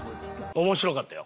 面白かったよ。